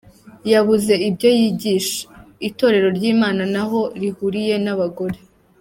Yabuze ibyo yigisha, itorero ry’ Imana ntaho rihuriye n’ abagore.